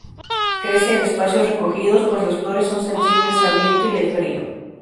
Crece en espacios recogidos, pues las flores son sensibles al viento y al frío.